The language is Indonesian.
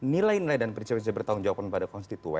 nilai nilai dan prinsip yang bisa dipertanggung jawab